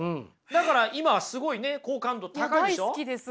だから今はすごい好感度高いでしょ？